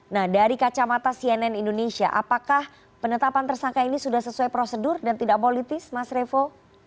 nah dari kacamata cnn indonesia apakah penetapan tersangka ini sudah sesuai prosedur dan tidak politis mas revo